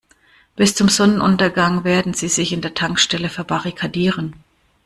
Bis zum Sonnenuntergang werden sie sich in der Tankstelle verbarrikadieren.